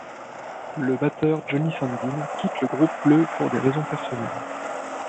Le batteur, Johnny Sandin, quitte le groupe le pour des raisons personnelles.